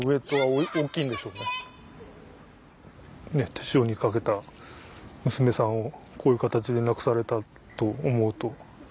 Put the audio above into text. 手塩にかけた娘さんをこういう形で亡くされたと思うと。